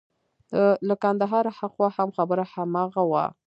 له کندهاره هاخوا هم خبره هماغه وه.